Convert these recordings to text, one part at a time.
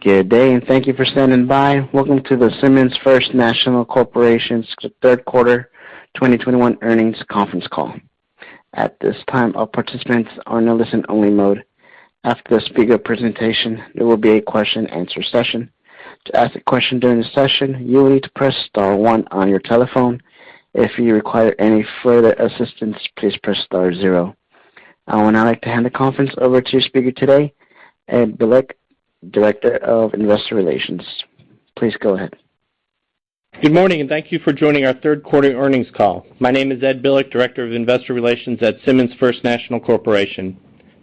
Good day, and thank you for standing by. Welcome to the Simmons First National Corporation's third quarter 2021 earnings conference call. At this time, all participants are in listen-only mode. After the speaker presentation, there will be a question and answer session. To ask a question during the session, you will need to press star one on your telephone. If you require any further assistance, please press star zero. I would now like to hand the conference over to your speaker today, Ed Bilek, Director of Investor Relations. Please go ahead. Good morning, and thank you for joining our third quarter earnings call. My name is Ed Bilek, Director of Investor Relations at Simmons First National Corporation.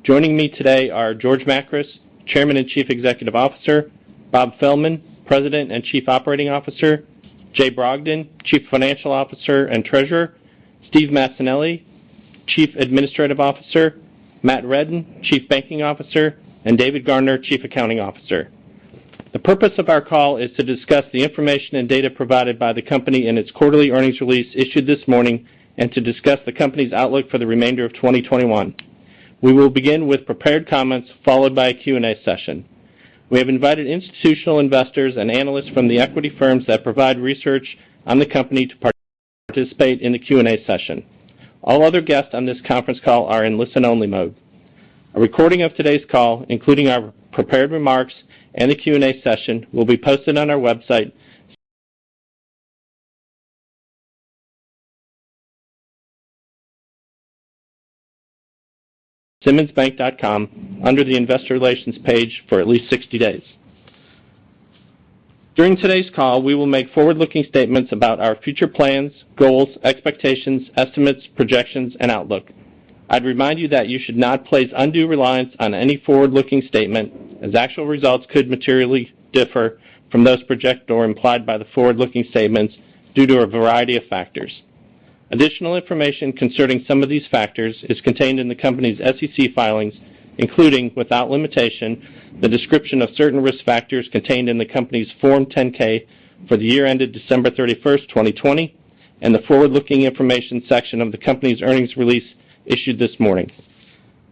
Joining me today are George Makris, Chairman and Chief Executive Officer, Bob Fehlman, President and Chief Operating Officer, Jay Brogdon, Chief Financial Officer and Treasurer, Steve Massanelli, Chief Administrative Officer, Matt Reddin, Chief Banking Officer, and David Garner, Chief Accounting Officer. The purpose of our call is to discuss the information and data provided by the company in its quarterly earnings release issued this morning and to discuss the company's outlook for the remainder of 2021. We will begin with prepared comments, followed by a Q&A session. We have invited institutional investors and analysts from the equity firms that provide research on the company to participate in the Q&A session. All other guests on this conference call are in listen-only mode. A recording of today's call, including our prepared remarks and the Q&A session, will be posted on our website, simmonsbank.com, under the Investor Relations page for at least 60 days. During today's call, we will make forward-looking statements about our future plans, goals, expectations, estimates, projections and outlook. I'd remind you that you should not place undue reliance on any forward-looking statement as actual results could materially differ from those projected or implied by the forward-looking statements due to a variety of factors. Additional information concerning some of these factors is contained in the company's SEC filings, including, without limitation, the description of certain risk factors contained in the company's Form 10-K for the year ended December 31, 2020, and the Forward-Looking Information section of the company's earnings release issued this morning.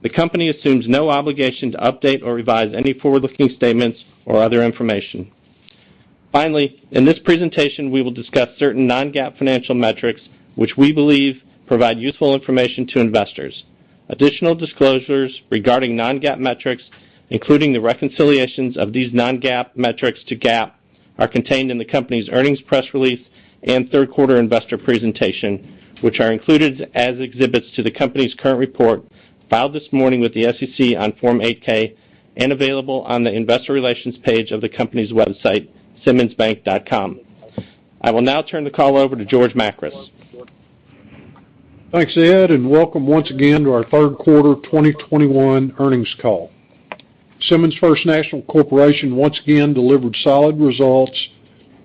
The company assumes no obligation to update or revise any forward-looking statements or other information. Finally, in this presentation, we will discuss certain non-GAAP financial metrics which we believe provide useful information to investors. Additional disclosures regarding non-GAAP metrics, including the reconciliations of these non-GAAP metrics to GAAP, are contained in the company's earnings press release and third quarter investor presentation, which are included as exhibits to the company's current report filed this morning with the SEC on Form 8-K and available on the Investor Relations page of the company's website, simmonsbank.com. I will now turn the call over to George Makris. Thanks, Ed, and welcome once again to our third quarter 2021 earnings call. Simmons First National Corporation once again delivered solid results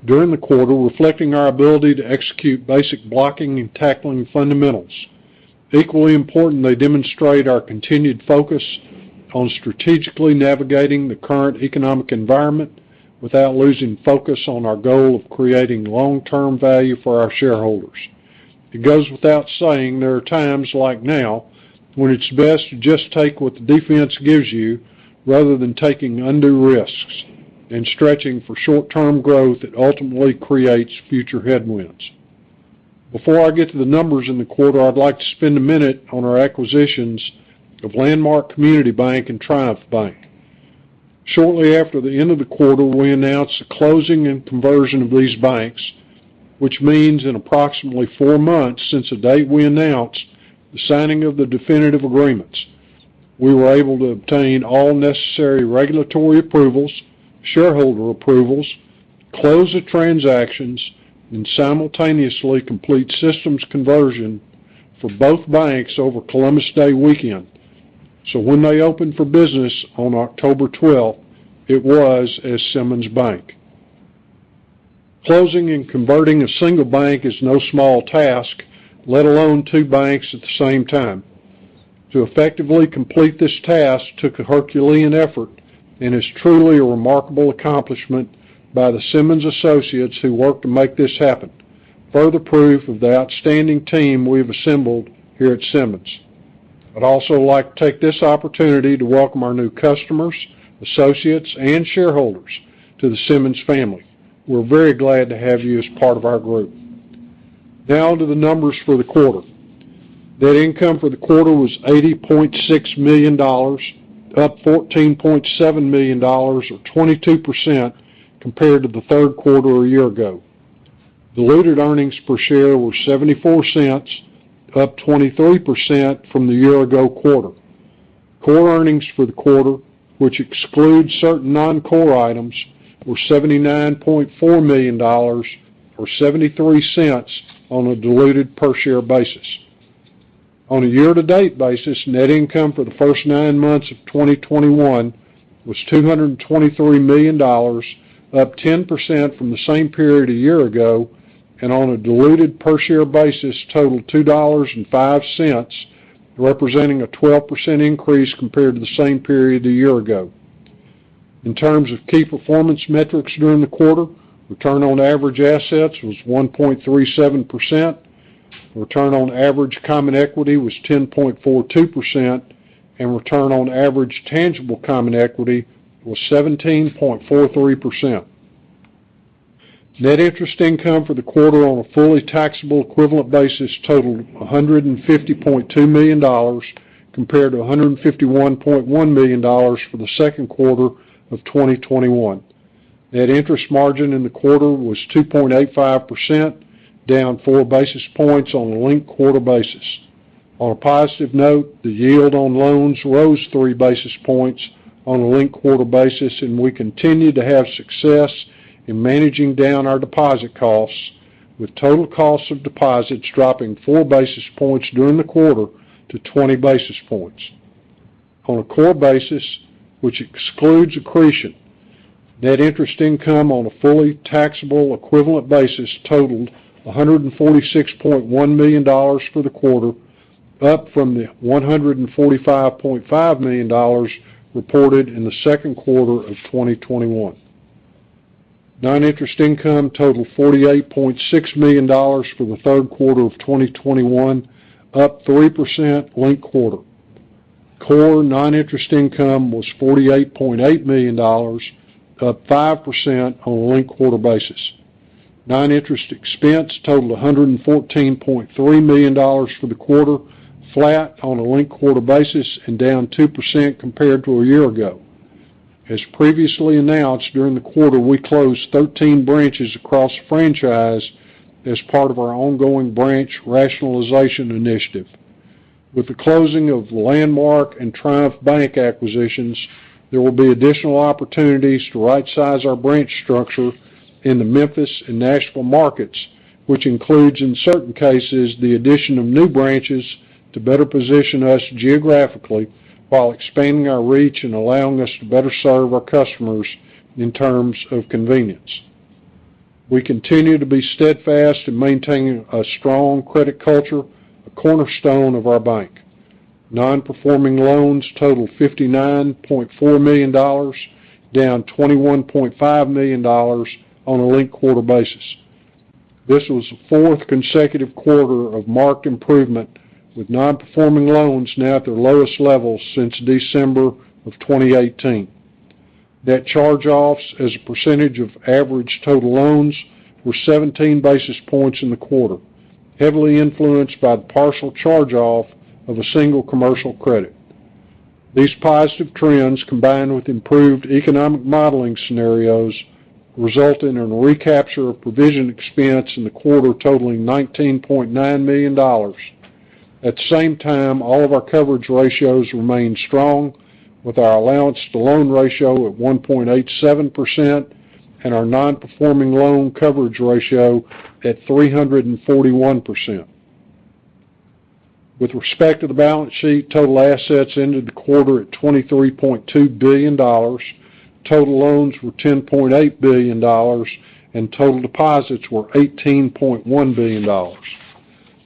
during the quarter, reflecting our ability to execute basic blocking and tackling fundamentals. Equally important, they demonstrate our continued focus on strategically navigating the current economic environment without losing focus on our goal of creating long-term value for our shareholders. It goes without saying there are times like now when it's best to just take what the defense gives you rather than taking undue risks and stretching for short-term growth that ultimately creates future headwinds. Before I get to the numbers in the quarter, I'd like to spend a minute on our acquisitions of Landmark Community Bank and Triumph Bank. Shortly after the end of the quarter, we announced the closing and conversion of these banks, which means in approximately four months since the date we announced the signing of the definitive agreements, we were able to obtain all necessary regulatory approvals, shareholder approvals, close the transactions, and simultaneously complete systems conversion for both banks over Columbus Day weekend. When they opened for business on October 12, it was as Simmons Bank. Closing and converting a single bank is no small task, let alone two banks at the same time. To effectively complete this task took a Herculean effort and is truly a remarkable accomplishment by the Simmons associates who worked to make this happen. Further proof of the outstanding team we've assembled here at Simmons. I'd also like to take this opportunity to welcome our new customers, associates and shareholders to the Simmons family. We're very glad to have you as part of our group. Now to the numbers for the quarter. Net income for the quarter was $80.6 million, up $14.7 million or 22% compared to the third quarter a year ago. Diluted earnings per share were $0.74, up 23% from the year ago quarter. Core earnings for the quarter, which excludes certain non-core items, were $79.4 million, or $0.73 on a diluted per share basis. On a year to date basis, net income for the first nine months of 2021 was $223 million, up 10% from the same period a year ago, and on a diluted per share basis totaled $2.05, representing a 12% increase compared to the same period a year ago. In terms of key performance metrics during the quarter, return on average assets was 1.37%. Return on average common equity was 10.42%, and return on average tangible common equity was 17.43%. Net interest income for the quarter on a fully taxable equivalent basis totaled $150.2 million, compared to $151.1 million for the second quarter of 2021. Net interest margin in the quarter was 2.85%, down 4 basis points on a linked quarter basis. On a positive note, the yield on loans rose 3 basis points on a linked quarter basis, and we continue to have success in managing down our deposit costs, with total cost of deposits dropping 4 basis points during the quarter to 20 basis points. On a core basis, which excludes accretion, net interest income on a fully taxable equivalent basis totaled $146.1 million for the quarter, up from the $145.5 million reported in the second quarter of 2021. Non-interest income totaled $48.6 million for the third quarter of 2021, up 3% linked-quarter. Core non-interest income was $48.8 million, up 5% on a linked-quarter basis. Non-interest expense totaled $114.3 million for the quarter, flat on a linked-quarter basis and down 2% compared to a year ago. As previously announced, during the quarter, we closed 13 branches across the franchise as part of our ongoing branch rationalization initiative. With the closing of Landmark and Triumph Bank acquisitions, there will be additional opportunities to rightsize our branch structure in the Memphis and Nashville markets, which includes, in certain cases, the addition of new branches to better position us geographically while expanding our reach and allowing us to better serve our customers in terms of convenience. We continue to be steadfast in maintaining a strong credit culture, a cornerstone of our bank. Non-performing loans totaled $59.4 million, down $21.5 million on a linked quarter basis. This was the fourth consecutive quarter of marked improvement, with non-performing loans now at their lowest levels since December 2018. Net charge-offs as a percentage of average total loans were 17 basis points in the quarter, heavily influenced by the partial charge-off of a single commercial credit. These positive trends, combined with improved economic modeling scenarios, resulted in a recapture of provision expense in the quarter totaling $19.9 million. At the same time, all of our coverage ratios remain strong, with our allowance to loan ratio at 1.87% and our non-performing loan coverage ratio at 341%. With respect to the balance sheet, total assets ended the quarter at $23.2 billion. Total loans were $10.8 billion, and total deposits were $18.1 billion.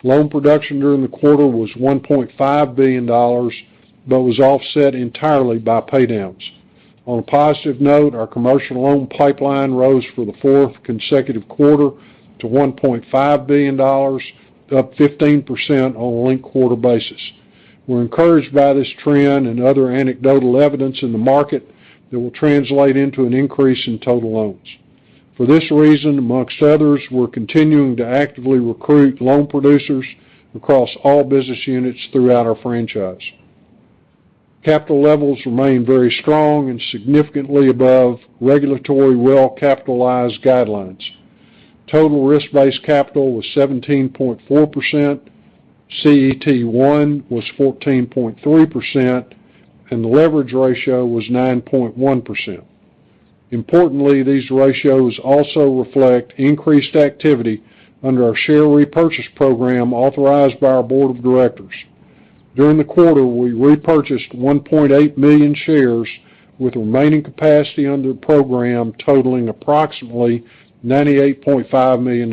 Loan production during the quarter was $1.5 billion, but was offset entirely by pay downs. On a positive note, our commercial loan pipeline rose for the fourth consecutive quarter to $1.5 billion, up 15% on a linked quarter basis. We're encouraged by this trend and other anecdotal evidence in the market that will translate into an increase in total loans. For this reason, amongst others, we're continuing to actively recruit loan producers across all business units throughout our franchise. Capital levels remain very strong and significantly above regulatory well-capitalized guidelines. Total risk-based capital was 17.4%, CET1 was 14.3%, and the leverage ratio was 9.1%. Importantly, these ratios also reflect increased activity under our share repurchase program authorized by our board of directors. During the quarter, we repurchased 1.8 million shares, with remaining capacity under the program totaling approximately $98.5 million.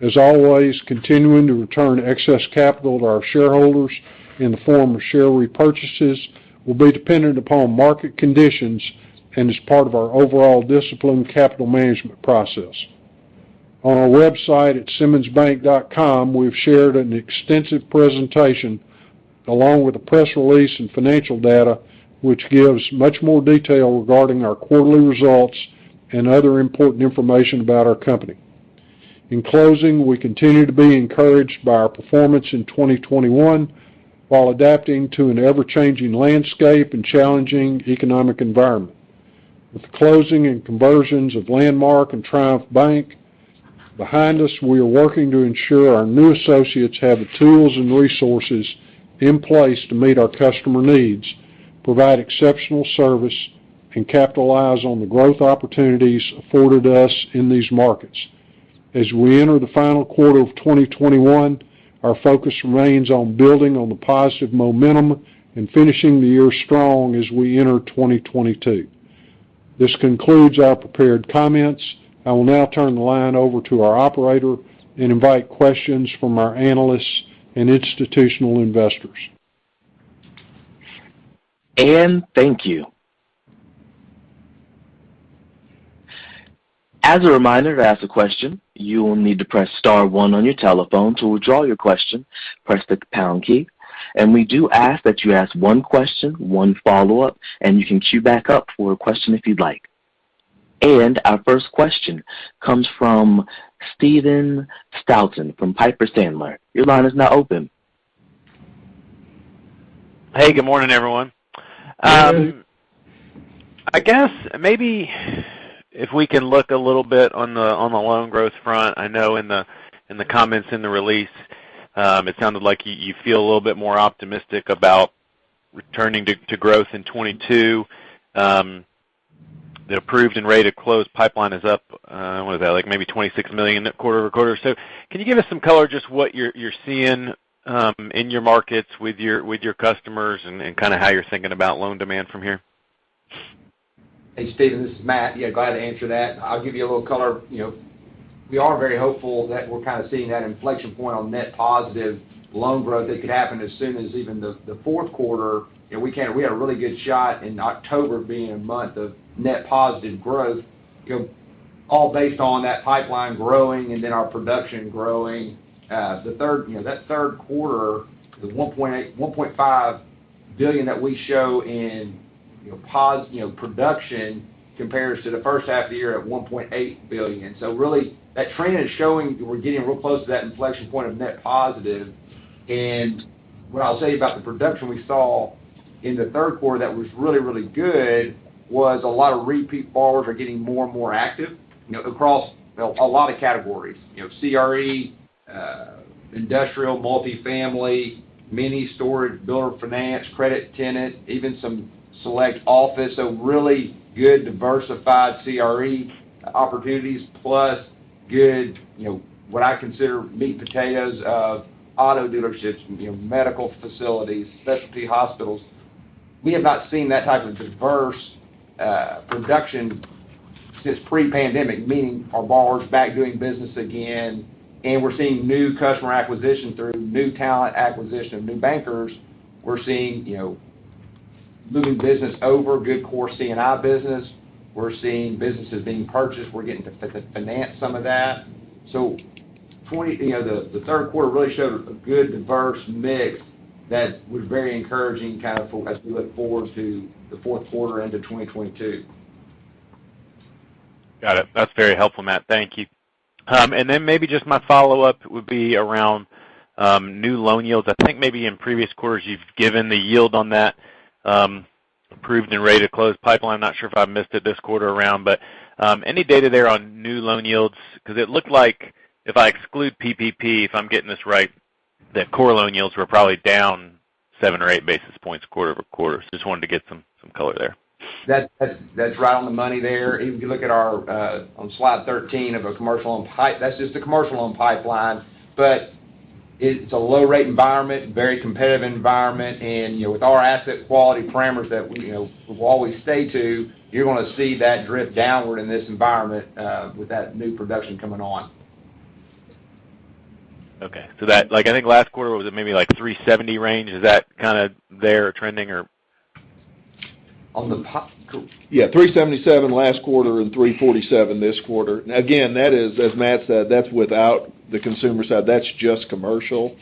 As always, continuing to return excess capital to our shareholders in the form of share repurchases will be dependent upon market conditions and is part of our overall disciplined capital management process. On our website at simmonsbank.com, we've shared an extensive presentation along with the press release and financial data, which gives much more detail regarding our quarterly results and other important information about our company. In closing, we continue to be encouraged by our performance in 2021 while adapting to an ever-changing landscape and challenging economic environment. With the closing and conversions of Landmark and Triumph Bank behind us, we are working to ensure our new associates have the tools and resources in place to meet our customer needs, provide exceptional service, and capitalize on the growth opportunities afforded us in these markets. As we enter the final quarter of 2021, our focus remains on building on the positive momentum and finishing the year strong as we enter 2022. This concludes our prepared comments. I will now turn the line over to our operator and invite questions from our analysts and institutional investors. Dan, thank you. As a reminder, to ask a question, you will need to press star one on your telephone. To withdraw your question, press the pound key. We do ask that you ask one question, one follow-up, and you can queue back up for a question if you'd like. Our first question comes from Stephen Scouten from Piper Sandler. Your line is now open. Hey, good morning, everyone. Good morning. I guess maybe if we can look a little bit on the loan growth front. I know in the comments in the release, it sounded like you feel a little bit more optimistic about returning to growth in 2022. The approved and ready to close pipeline is up, what is that? Like, maybe $26 million quarter-over-quarter. Can you give us some color just what you're seeing in your markets with your customers and kinda how you're thinking about loan demand from here? Hey, Stephen, this is Matt. Yeah, glad to answer that. I'll give you a little color. You know, we are very hopeful that we're kinda seeing that inflection point on net positive loan growth that could happen as soon as even the fourth quarter. We had a really good shot in October being a month of net positive growth, you know, all based on that pipeline growing and then our production growing. The third quarter, the $1.5 billion that we show in, you know, production compares to the first half of the year at $1.8 billion. Really, that trend is showing we're getting real close to that inflection point of net positive. What I'll tell you about the production we saw in the third quarter that was really, really good was a lot of repeat borrowers are getting more and more active, you know, across a lot of categories. You know, CRE, industrial, multifamily, mini storage, builder finance, credit tenant, even some select office. Really good diversified CRE opportunities plus good, you know, what I consider meat and potatoes of auto dealerships, you know, medical facilities, specialty hospitals. We have not seen that type of diverse production since pre-pandemic, meaning our borrowers are back doing business again, and we're seeing new customer acquisition through new talent acquisition, new bankers. We're seeing, you know, moving business over, good core C&I business. We're seeing businesses being purchased. We're getting to finance some of that. You know, the third quarter really showed a good diverse mix that was very encouraging kind of for as we look forward to the fourth quarter into 2022. Got it. That's very helpful, Matt. Thank you. Maybe just my follow-up would be around new loan yields. I think maybe in previous quarters you've given the yield on that approved and ready to close pipeline. I'm not sure if I missed it this quarter around. Any data there on new loan yields? 'Cause it looked like if I exclude PPP, if I'm getting this right, that core loan yields were probably down seven or eight basis points quarter-over-quarter. Just wanted to get some color there. That's right on the money there. If you look at our on slide 13 of a commercial pipeline, that's just a commercial pipeline, but it's a low rate environment, very competitive environment. You know, with our asset quality parameters that we, you know, we've always stayed true to, you're gonna see that drift downward in this environment, with that new production coming on. Like, I think last quarter was maybe like 370 range. Is that kinda there trending or? On the pip-- co- Yeah, 377 last quarter and 347 this quarter. Again, that is, as Matt said, that's without the consumer side. That's just commercial.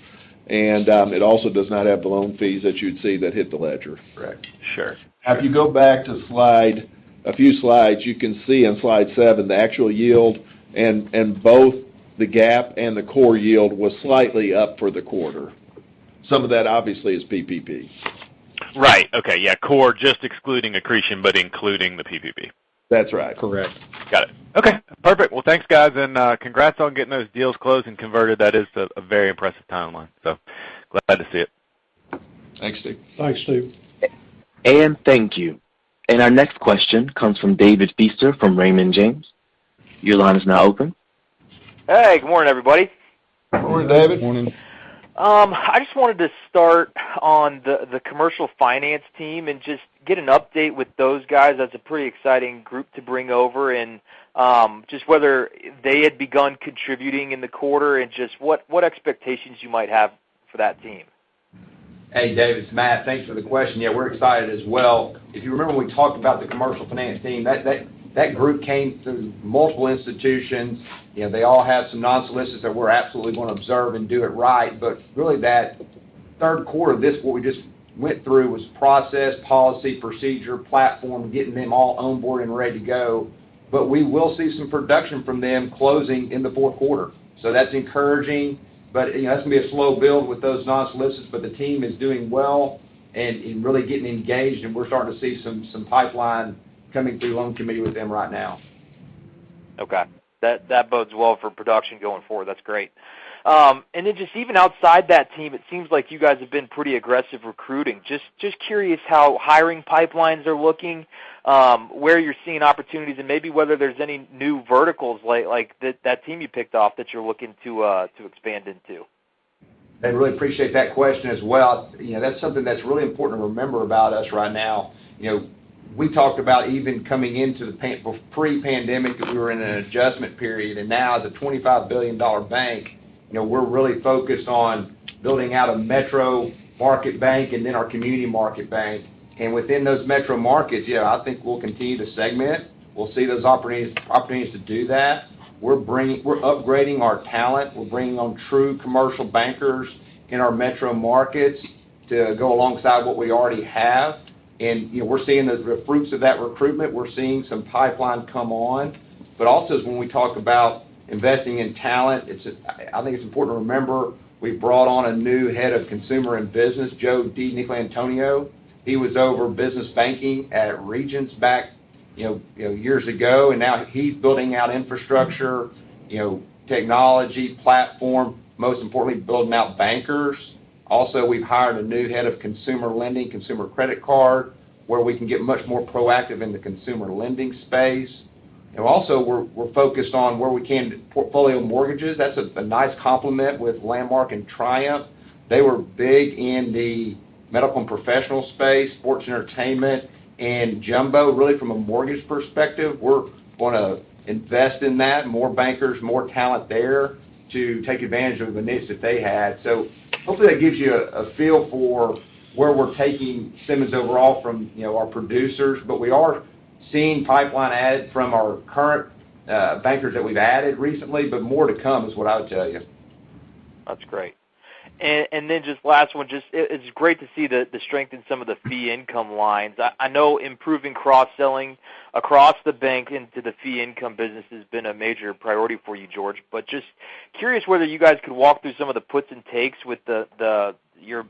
It also does not have the loan fees that you'd see that hit the ledger. Correct. Sure. If you go back a few slides, you can see on slide seven the actual yield and both the gap and the core yield was slightly up for the quarter. Some of that obviously is PPP. Right. Okay. Yeah, core just excluding accretion, but including the PPP. That's right. Correct. Got it. Okay, perfect. Well, thanks, guys, and congrats on getting those deals closed and converted. That is a very impressive timeline. Glad to see it. Thanks, Steve. Thank you. Our next question comes from David Feaster from Raymond James. Your line is now open. Hey, good morning, everybody. Good morning, David. Morning. I just wanted to start on the commercial finance team and just get an update with those guys. That's a pretty exciting group to bring over and just whether they had begun contributing in the quarter and just what expectations you might have for that team. Hey, David, it's Matt. Thanks for the question. Yeah, we're excited as well. If you remember when we talked about the commercial finance team, that group came through multiple institutions. You know, they all have some non-solicits that we're absolutely gonna observe and do it right. Really that third quarter of this, what we just went through was process, policy, procedure, platform, getting them all on board and ready to go. We will see some production from them closing in the fourth quarter. That's encouraging. You know, that's gonna be a slow build with those non-solicits, but the team is doing well and really getting engaged, and we're starting to see some pipeline coming through loan committee with them right now. Okay. That bodes well for production going forward. That's great. Just even outside that team, it seems like you guys have been pretty aggressive recruiting. Just curious how hiring pipelines are looking, where you're seeing opportunities and maybe whether there's any new verticals like that team you picked up that you're looking to expand into. I really appreciate that question as well. You know, that's something that's really important to remember about us right now. You know, we talked about even coming into the pre-pandemic that we were in an adjustment period, and now as a $25 billion bank. You know, we're really focused on building out a metro market bank and then our community market bank. Within those metro markets, yeah, I think we'll continue to segment. We'll see those opportunities to do that. We're upgrading our talent. We're bringing on true commercial bankers in our metro markets to go alongside what we already have. You know, we're seeing the fruits of that recruitment. We're seeing some pipeline come on. Also, it's when we talk about investing in talent. I think it's important to remember, we brought on a new head of consumer and business, Joe DiNicolantonio. He was over business banking at Regions Bank, you know, years ago, and now he's building out infrastructure, you know, technology, platform, most importantly, building out bankers. Also, we've hired a new head of consumer lending, consumer credit card, where we can get much more proactive in the consumer lending space. Also we're focused on where we can do portfolio mortgages. That's a nice complement with Landmark and Triumph. They were big in the medical and professional space, sports and entertainment, and jumbo, really from a mortgage perspective. We're gonna invest in that, more bankers, more talent there to take advantage of the niche that they had. Hopefully that gives you a feel for where we're taking Simmons overall from, you know, our producers. We are seeing pipeline add from our current bankers that we've added recently, but more to come is what I would tell you. That's great. Then just last one, just it's great to see the strength in some of the fee income lines. I know improving cross-selling across the bank into the fee income business has been a major priority for you, George. Just curious whether you guys could walk through some of the puts and takes with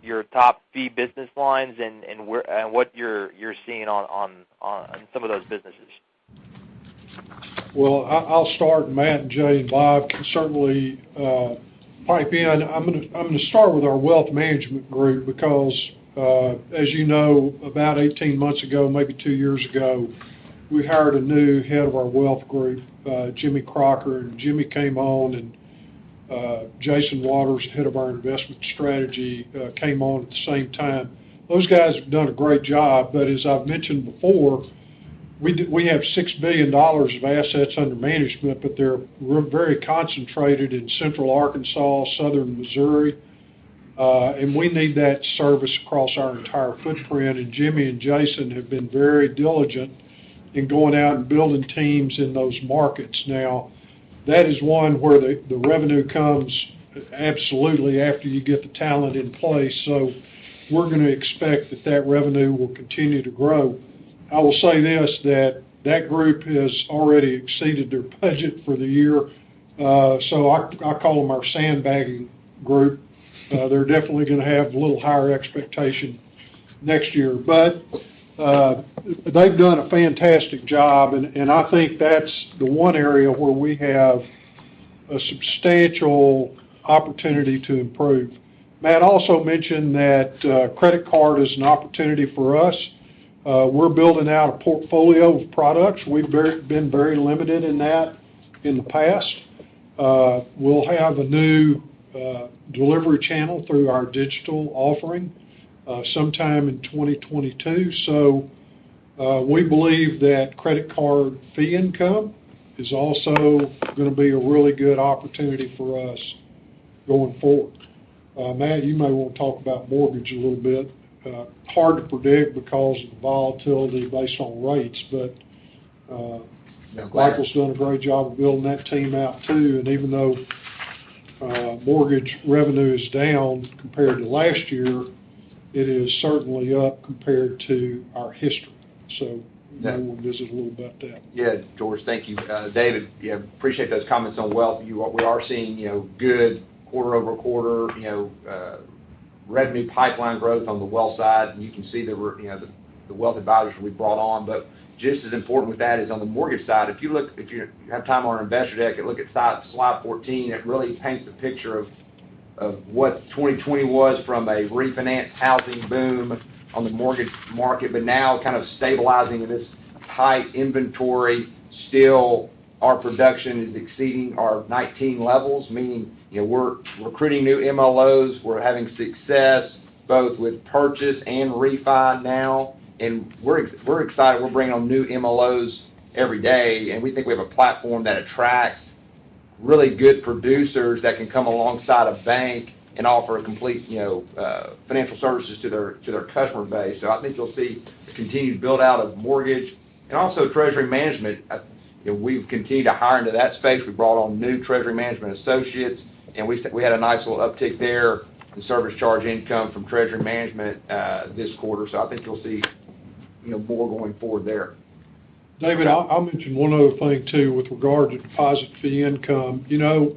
your top fee business lines and where and what you're seeing on some of those businesses. Well, I'll start, Matt and Jay and Bob can certainly pipe in. I'm gonna start with our wealth management group because, as you know, about 18 months ago, maybe two years ago, we hired a new head of our wealth group, Jimmy Crocker. Jimmy came on and, Jason Waters, head of our investment strategy, came on at the same time. Those guys have done a great job, but as I've mentioned before, we have $6 billion of assets under management, but they're very concentrated in Central Arkansas, Southern Missouri, and we need that service across our entire footprint. Jimmy and Jason have been very diligent in going out and building teams in those markets. Now, that is one where the revenue comes absolutely after you get the talent in place. We're gonna expect that revenue will continue to grow. I will say this, that group has already exceeded their budget for the year, so I call them our sandbagging group. They're definitely gonna have a little higher expectation next year. They've done a fantastic job and I think that's the one area where we have a substantial opportunity to improve. Matt also mentioned that credit card is an opportunity for us. We're building out a portfolio of products. We've been very limited in that in the past. We'll have a new delivery channel through our digital offering sometime in 2022. We believe that credit card fee income is also gonna be a really good opportunity for us going forward. Matt, you may wanna talk about mortgage a little bit. Hard to predict because of the volatility based on rates, but. No, go ahead. Michael's doing a great job of building that team out, too. Even though mortgage revenue is down compared to last year, it is certainly up compared to our history. Maybe we'll talk a little about that. Yeah, George. Thank you. David, yeah, appreciate those comments on wealth. We are seeing, you know, good quarter-over-quarter, you know, revenue pipeline growth on the wealth side. You can see the wealth advisors we brought on. Just as important with that is on the mortgage side. If you have time on our investor deck and look at slide 14, it really paints a picture of what 2020 was from a refinance housing boom on the mortgage market, but now kind of stabilizing in this high inventory. Still, our production is exceeding our 2019 levels, meaning, you know, we're recruiting new MLOs. We're having success both with purchase and refi now. We're excited. We're bringing on new MLOs every day, and we think we have a platform that attracts really good producers that can come alongside a bank and offer a complete, you know, financial services to their customer base. I think you'll see continued build out of mortgage. Also treasury management, you know, we've continued to hire into that space. We brought on new treasury management associates, and we had a nice little uptick there in service charge income from treasury management this quarter. I think you'll see, you know, more going forward there. David, I'll mention one other thing, too, with regard to deposit fee income. You know,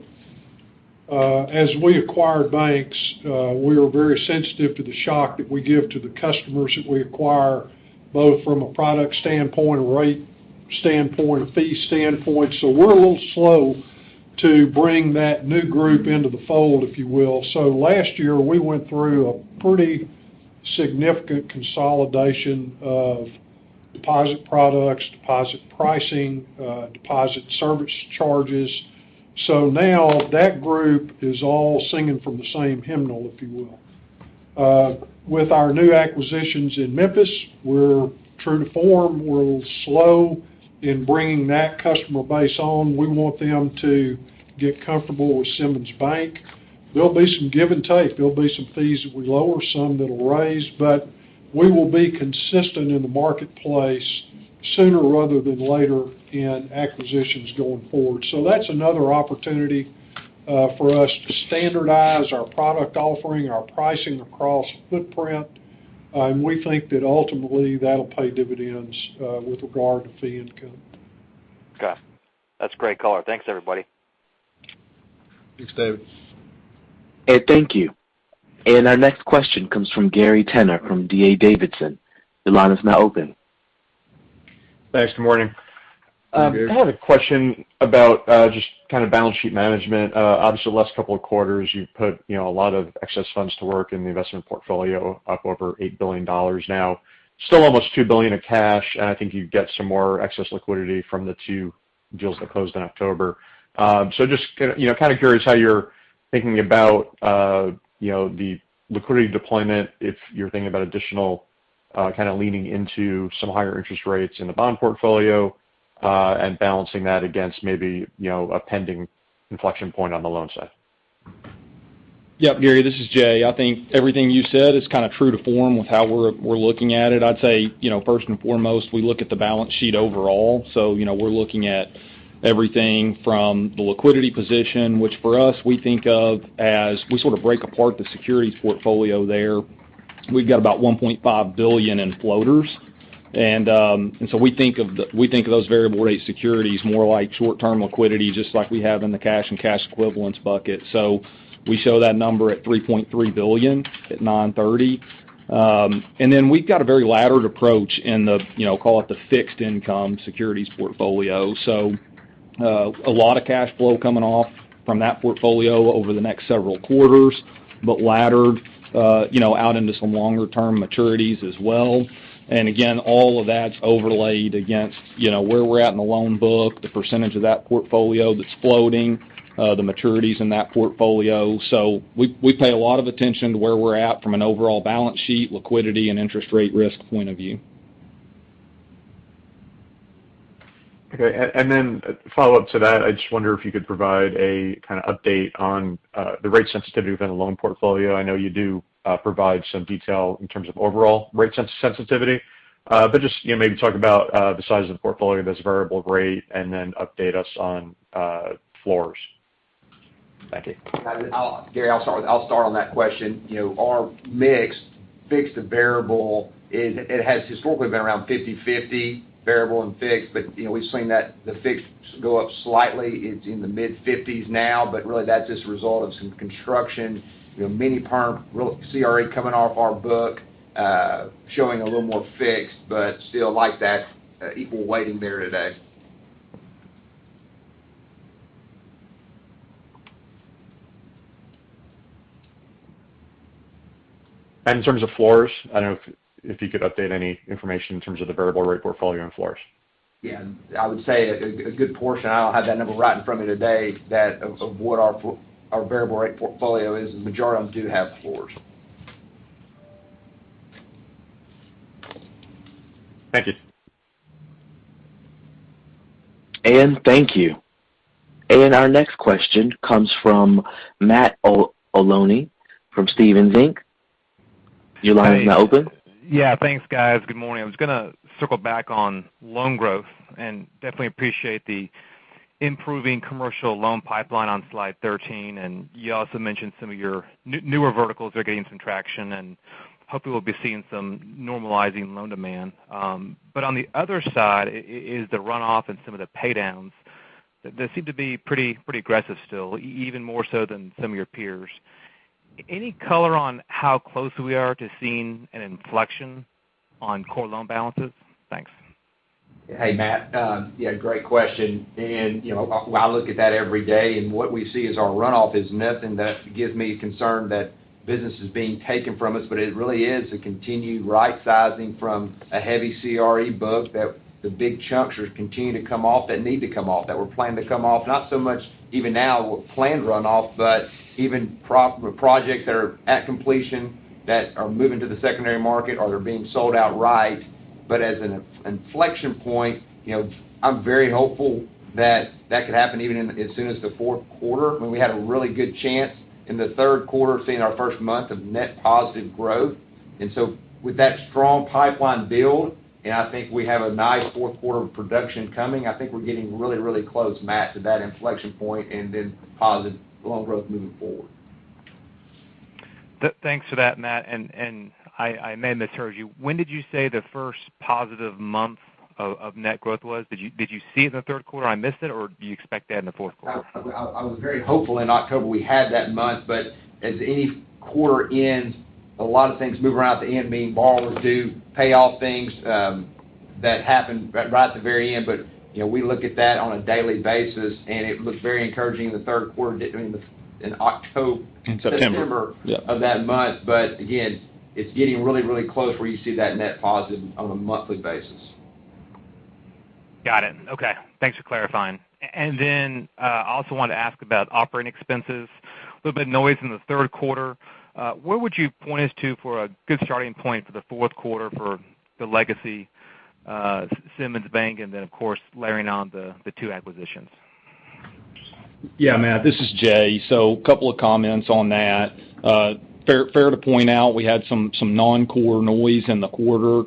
as we acquire banks, we are very sensitive to the shock that we give to the customers that we acquire, both from a product standpoint, a rate standpoint, a fee standpoint. We're a little slow to bring that new group into the fold, if you will. Now that group is all singing from the same hymnal, if you will. With our new acquisitions in Memphis, we're true to form. We're a little slow in bringing that customer base on. We want them to get comfortable with Simmons Bank. There'll be some give and take. There'll be some fees that we lower, some that'll raise, but we will be consistent in the marketplace sooner rather than later in acquisitions going forward. That's another opportunity for us to standardize our product offering, our pricing across footprint. We think that ultimately, that'll pay dividends with regard to fee income. Okay. That's a great color. Thanks, everybody. Thanks, David. Thank you. Our next question comes from Gary Tenner from D.A. Davidson. Your line is now open. Thanks. Good morning. Good morning, Gary. I have a question about just kind of balance sheet management. Obviously, the last couple of quarters, you've put, you know, a lot of excess funds to work in the investment portfolio, up over $8 billion now. Still almost $2 billion of cash, and I think you get some more excess liquidity from the two deals that closed in October. Just, you know, kind of curious how you're thinking about, you know, the liquidity deployment, if you're thinking about additional, kind of leaning into some higher interest rates in the bond portfolio, and balancing that against maybe, you know, a pending inflection point on the loan side. Yep, Gary, this is Jay. I think everything you said is kind of true to form with how we're looking at it. I'd say, you know, first and foremost, we look at the balance sheet overall. You know, we're looking at everything from the liquidity position, which for us, we think of as we sort of break apart the securities portfolio there. We've got about $1.5 billion in floaters. We think of those variable rate securities more like short-term liquidity, just like we have in the cash and cash equivalents bucket. We show that number at $3.3 billion at 9/30. And then we've got a very laddered approach in the, you know, call it the fixed income securities portfolio. A lot of cash flow coming off from that portfolio over the next several quarters, but laddered, you know, out into some longer-term maturities as well. Again, all of that's overlaid against, you know, where we're at in the loan book, the percentage of that portfolio that's floating, the maturities in that portfolio. We pay a lot of attention to where we're at from an overall balance sheet, liquidity, and interest rate risk point of view. Okay. Follow-up to that, I just wonder if you could provide a kind of update on the rate sensitivity within the loan portfolio. I know you do provide some detail in terms of overall rate sensitivity. Just, you know, maybe talk about the size of the portfolio that's variable rate, and then update us on floors. Thank you. Gary, I'll start on that question. You know, our mix, fixed to variable is, it has historically been around 50/50, variable and fixed. But you know, we've seen that the fixed go up slightly. It's in the mid-50s now, but really that's just a result of some construction. You know, many CRE coming off our book, showing a little more fixed but still like that equal weighting there today. In terms of floors, I don't know if you could update any information in terms of the variable rate portfolio on floors. Yeah, I would say a good portion. I don't have that number right in front of me today, of what our variable rate portfolio is. The majority of them do have floors. Thank you. Thank you. Our next question comes from Matt Olney from Stephens Inc. Your line is now open. Yeah. Thanks, guys. Good morning. I was gonna circle back on loan growth and definitely appreciate the improving commercial loan pipeline on slide 13. You also mentioned some of your newer verticals are gaining some traction, and hopefully we'll be seeing some normalizing loan demand. On the other side is the runoff and some of the pay downs. They seem to be pretty aggressive still, even more so than some of your peers. Any color on how close we are to seeing an inflection on core loan balances? Thanks. Hey, Matt. Yeah, great question. You know, I look at that every day, and what we see is our runoff is nothing that gives me concern that business is being taken from us, but it really is a continued right-sizing from a heavy CRE book that the big chunks are continuing to come off, that need to come off, that were planned to come off. Not so much even now planned runoff, but even projects that are at completion that are moving to the secondary market or they're being sold outright. As an inflection point, you know, I'm very hopeful that that could happen even in as soon as the fourth quarter when we had a really good chance in the third quarter, seeing our first month of net positive growth. With that strong pipeline build, and I think we have a nice fourth quarter of production coming, I think we're getting really, really close, Matt, to that inflection point and then positive loan growth moving forward. Thanks for that, Matt. I may have misheard you. When did you say the first positive month of net growth was? Did you see it in the third quarter? I missed it, or do you expect that in the fourth quarter? I was very hopeful in October we had that month, but as any quarter ends, a lot of things moving around at the end, meaning borrowers do pay off things that happened right at the very end. You know, we look at that on a daily basis, and it looks very encouraging in the third quarter, in October. In September. Yep September of that month. It's getting really close where you see that net positive on a monthly basis. Got it. Okay. Thanks for clarifying. I also wanted to ask about operating expenses. A little bit of noise in the third quarter. Where would you point us to for a good starting point for the fourth quarter for the legacy Simmons Bank, and then of course layering on the two acquisitions? Yeah, Matt, this is Jay. Couple of comments on that. Fair to point out, we had some non-core noise in the quarter.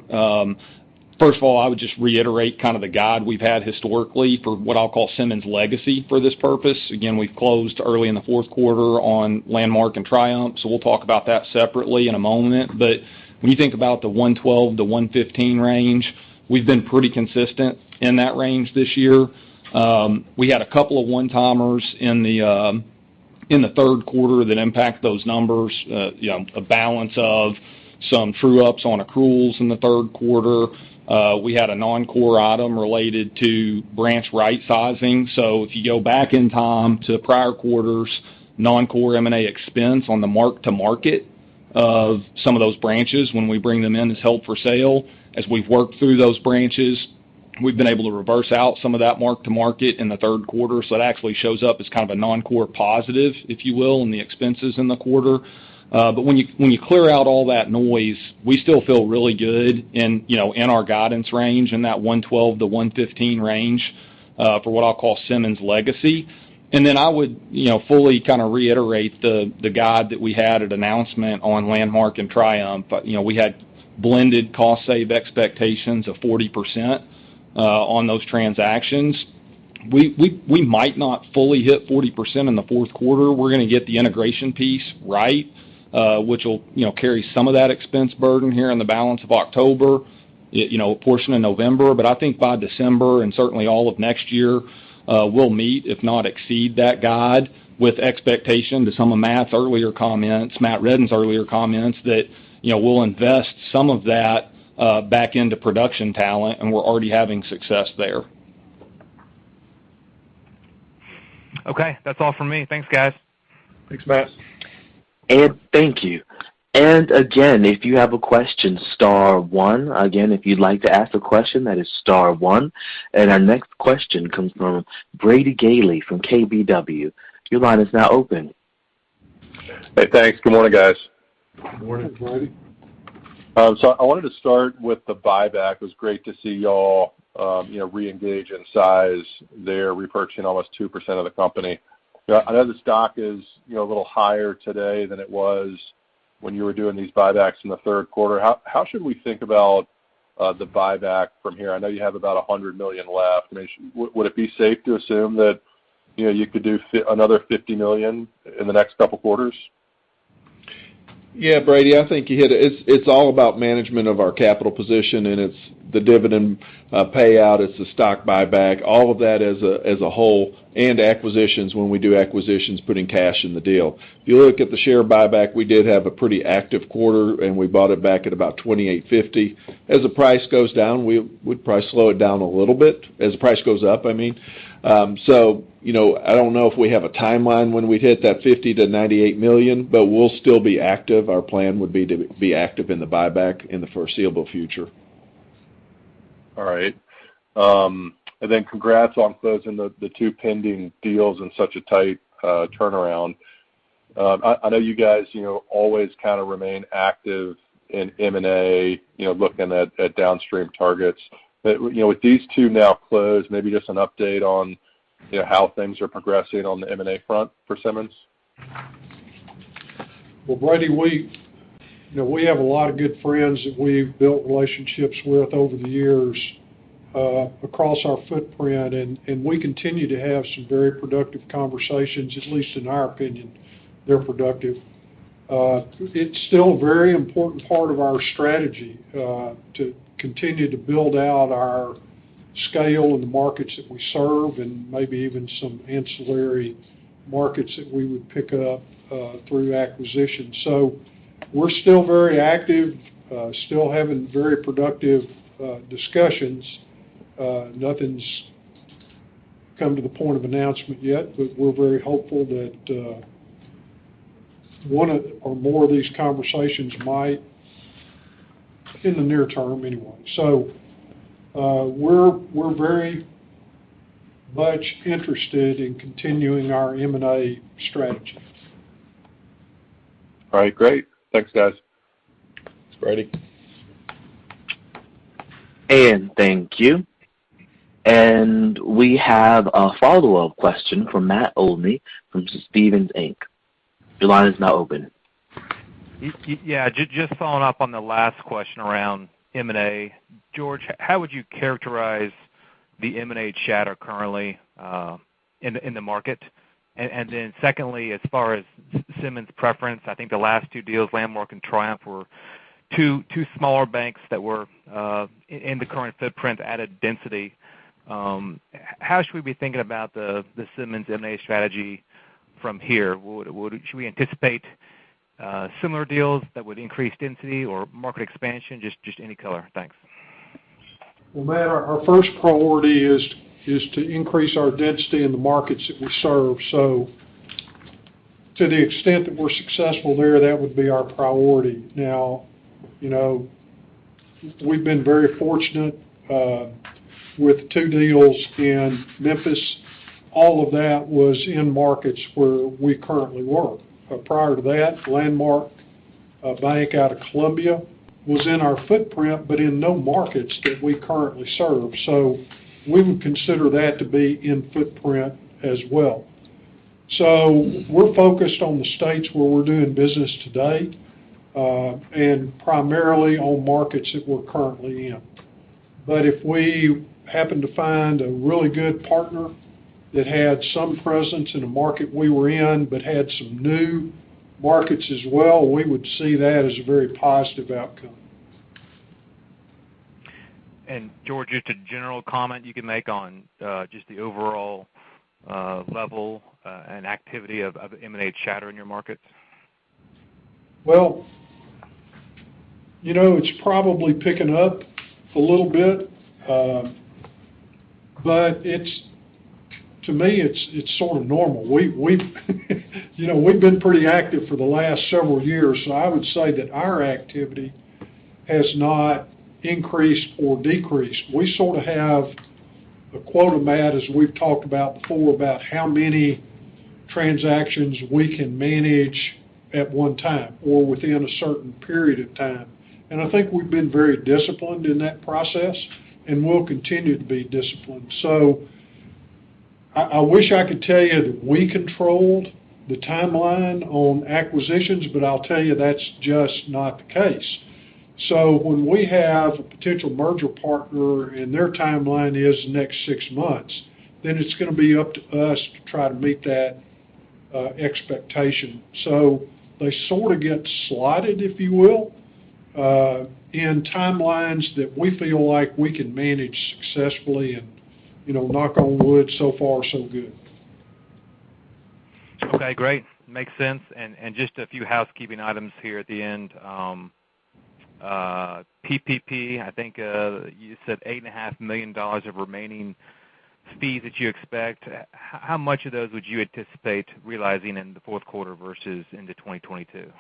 First of all, I would just reiterate kind of the guide we've had historically for what I'll call Simmons legacy for this purpose. Again, we've closed early in the fourth quarter on Landmark and Triumph, so we'll talk about that separately in a moment. When you think about the 112-115 range, we've been pretty consistent in that range this year. We had a couple of one-timers in the third quarter that impact those numbers, you know, a balance of some true ups on accruals in the third quarter. We had a non-core item related to branch right-sizing. If you go back in time to prior quarters, non-core M&A expense on the mark-to-market of some of those branches when we bring them in as held for sale, as we've worked through those branches, we've been able to reverse out some of that mark-to-market in the third quarter. It actually shows up as kind of a non-core positive, if you will, in the expenses in the quarter. But when you clear out all that noise, we still feel really good, you know, in our guidance range, in that 112-115 range, for what I'll call Simmons legacy. Then I would, you know, fully kind of reiterate the guide that we had at announcement on Landmark and Triumph. You know, we had blended cost save expectations of 40%, on those transactions. We might not fully hit 40% in the fourth quarter. We're going to get the integration piece right, which will, you know, carry some of that expense burden here in the balance of October, you know, a portion of November. I think by December and certainly all of next year, we'll meet, if not exceed that guide with expectation to some of Matt's earlier comments, Matt Reddin's earlier comments that, you know, we'll invest some of that back into production talent, and we're already having success there. Okay. That's all for me. Thanks, guys. Thanks, Matt. Thank you. Again, if you have a question, star one. Again, if you'd like to ask a question, that is star one. Our next question comes from Brady Gailey from KBW. Your line is now open. Hey, thanks. Good morning, guys. Good morning, Brady. I wanted to start with the buyback. It was great to see y'all, you know, reengage in size there, repurchasing almost 2% of the company. You know, I know the stock is, you know, a little higher today than it was when you were doing these buybacks in the third quarter. How should we think about the buyback from here? I know you have about $100 million left. I mean, would it be safe to assume that, you know, you could do another $50 million in the next couple quarters? Yeah, Brady, I think you hit it. It's all about management of our capital position, and it's the dividend payout, it's the stock buyback, all of that as a whole, and acquisitions when we do acquisitions, putting cash in the deal. If you look at the share buyback, we did have a pretty active quarter, and we bought it back at about $28.50. As the price goes down, we would probably slow it down a little bit, as the price goes up, I mean. So, you know, I don't know if we have a timeline when we'd hit that $50 million-$98 million, but we'll still be active. Our plan would be to be active in the buyback in the foreseeable future. All right. Congrats on closing the two pending deals in such a tight turnaround. I know you guys always kind of remain active in M&A, you know, looking at downstream targets. You know, with these two now closed, maybe just an update on, you know, how things are progressing on the M&A front for Simmons? Well, Brady, we, you know, we have a lot of good friends that we've built relationships with over the years, across our footprint, and we continue to have some very productive conversations, at least in our opinion, they're productive. It's still a very important part of our strategy, to continue to build out our scale in the markets that we serve and maybe even some ancillary markets that we would pick up, through acquisition. We're still very active, still having very productive, discussions. Nothing's come to the point of announcement yet, but we're very hopeful that, one of or more of these conversations might in the near term anyway. We're very much interested in continuing our M&A strategy. All right, great. Thanks, guys. Thanks, Brady. Thank you. We have a follow-up question from Matt Olney from Stephens Inc. Your line is now open. Yeah, just following up on the last question around M&A. George, how would you characterize the M&A chatter currently in the market? Secondly, as far as Simmons preference, I think the last two deals, Landmark and Triumph, were two smaller banks that were in the current footprint, added density. How should we be thinking about the Simmons M&A strategy from here? Should we anticipate similar deals that would increase density or market expansion? Just any color. Thanks. Well, Matt, our first priority is to increase our density in the markets that we serve. To the extent that we're successful there, that would be our priority. Now, you know, we've been very fortunate with two deals in Memphis. All of that was in markets where we currently work. Prior to that, Landmark, a bank out of Columbia, was in our footprint, but in no markets that we currently serve. We would consider that to be in footprint as well. We're focused on the states where we're doing business to date, and primarily on markets that we're currently in. If we happen to find a really good partner that had some presence in a market we were in, but had some new markets as well, we would see that as a very positive outcome. George, just a general comment you can make on just the overall level and activity of M&A chatter in your markets. Well, you know, it's probably picking up a little bit, but to me, it's sort of normal. We've, you know, been pretty active for the last several years, so I would say that our activity has not increased or decreased. We sort of have a quota, Matt, as we've talked about before, about how many transactions we can manage at one time or within a certain period of time. I think we've been very disciplined in that process and will continue to be disciplined. I wish I could tell you that we controlled the timeline on acquisitions, but I'll tell you that's just not the case. When we have a potential merger partner, and their timeline is the next six months, then it's going to be up to us to try to meet that expectation. They sort of get slotted, if you will, in timelines that we feel like we can manage successfully. You know, knock on wood, so far, so good. Okay, great. Makes sense. Just a few housekeeping items here at the end. PPP, I think, you said $8.5 million of remaining fees that you expect. How much of those would you anticipate realizing in the fourth quarter versus into 2022?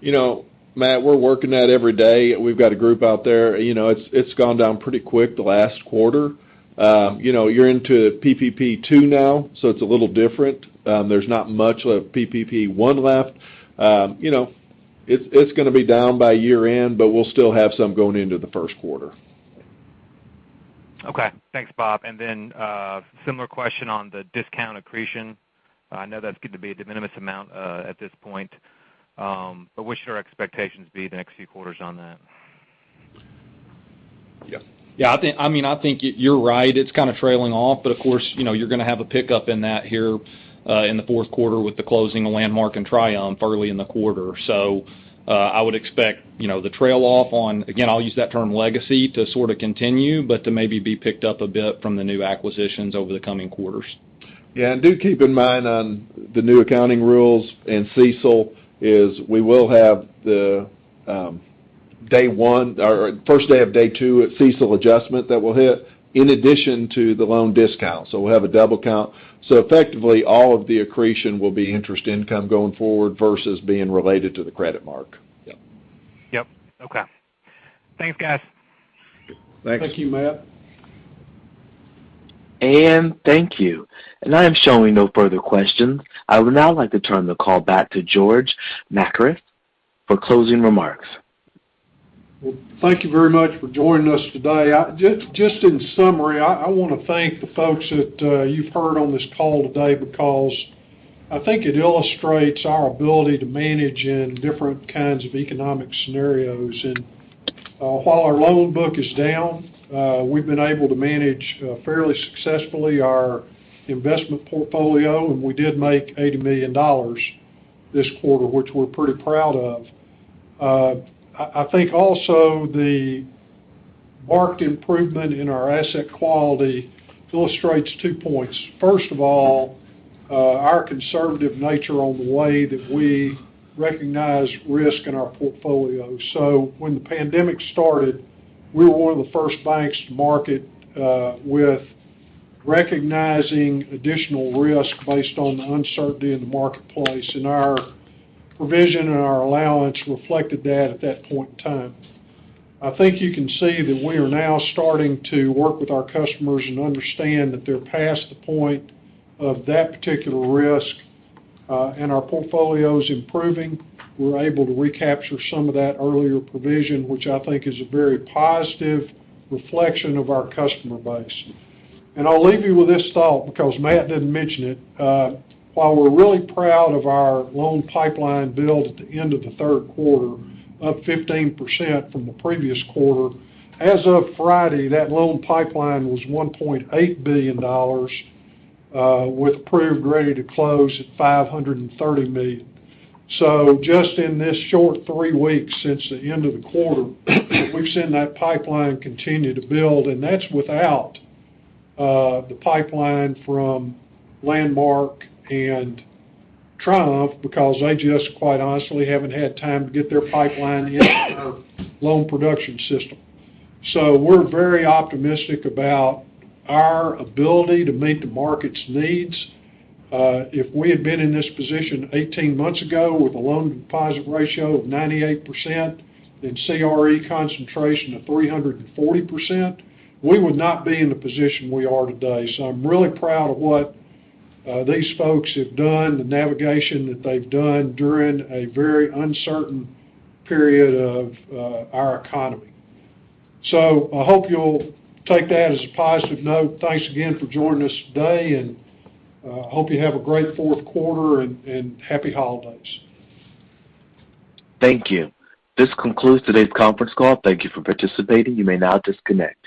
You know, Matt, we're working that every day. We've got a group out there. You know, it's gone down pretty quick the last quarter. You know, you're into PPP Two now, so it's a little different. There's not much of PPP One left. You know, it's going to be down by year-end, but we'll still have some going into the first quarter. Okay. Thanks, Bob. Similar question on the discount accretion. I know that's going to be a de minimis amount at this point, but what should our expectations be the next few quarters on that? Yeah. I mean, I think you're right. It's kind of trailing off, but of course, you know, you're going to have a pickup in that here in the fourth quarter with the closing of Landmark and Triumph early in the quarter. I would expect, you know, the trail off on, again, I'll use that term legacy to sort of continue, but to maybe be picked up a bit from the new acquisitions over the coming quarters. Yeah. Do keep in mind on the new accounting rules and CECL is we will have the day one or first day of day two at CECL adjustment that will hit in addition to the loan discount. We'll have a double count. Effectively, all of the accretion will be interest income going forward versus being related to the credit mark. Yep. Okay. Thanks, guys. Thanks. Thank you, Matt. Thank you. I am showing no further questions. I would now like to turn the call back to George Makris for closing remarks. Well, thank you very much for joining us today. Just in summary, I want to thank the folks that you've heard on this call today because I think it illustrates our ability to manage in different kinds of economic scenarios. While our loan book is down, we've been able to manage fairly successfully our investment portfolio, and we did make $80 million this quarter, which we're pretty proud of. I think also the marked improvement in our asset quality illustrates two points. First of all, our conservative nature on the way that we recognize risk in our portfolio. When the pandemic started, we were one of the first banks to market with recognizing additional risk based on the uncertainty in the marketplace, and our provision and our allowance reflected that at that point in time. I think you can see that we are now starting to work with our customers and understand that they're past the point of that particular risk, and our portfolio is improving. We're able to recapture some of that earlier provision, which I think is a very positive reflection of our customer base. I'll leave you with this thought because Matt didn't mention it. While we're really proud of our loan pipeline build at the end of the third quarter, up 15% from the previous quarter, as of Friday, that loan pipeline was $1.8 billion, with approved ready to close at $530 million. Just in this short three weeks since the end of the quarter, we've seen that pipeline continue to build, and that's without the pipeline from Landmark and Triumph because they just quite honestly haven't had time to get their pipeline into our loan production system. We're very optimistic about our ability to meet the market's needs. If we had been in this position 18 months ago with a loan deposit ratio of 98% and CRE concentration of 340%, we would not be in the position we are today. I'm really proud of what these folks have done, the navigation that they've done during a very uncertain period of our economy. I hope you'll take that as a positive note. Thanks again for joining us today, and hope you have a great fourth quarter and happy holidays. Thank you. This concludes today's conference call. Thank you for participating. You may now disconnect.